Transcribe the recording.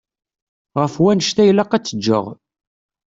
Ɣef wannect-a ilaq ad tt-ǧǧeɣ.